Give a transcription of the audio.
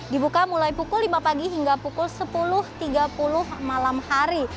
dibuka mulai pukul lima pagi hingga pukul sepuluh tiga puluh malam hari